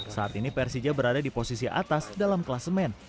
saat ini persija berada di posisi atas dalam kelasemen